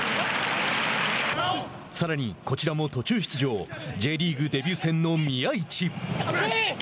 さらにこちらも途中出場Ｊリーグデビュー戦の宮市。